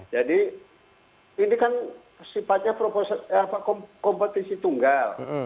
jadi ini kan sifatnya kompetisi tunggal